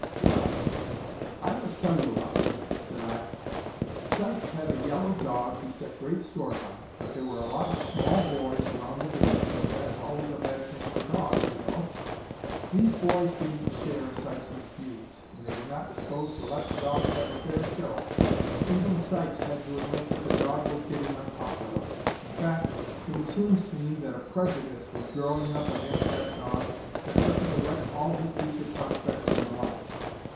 'Well, I must tell you about him,' said I. 'Sykes had a yellow dog he set great store by, but there were a lot of small boys around the village, and that's always a bad thing for dogs, you know. These boys didn't share Sykes's views, and they were not disposed to let the dog have a fair show. Even Sykes had to admit that the dog was getting unpopular; in fact, it was soon seen that a prejudice was growing up against that dog that threatened to wreck all his future prospects in life.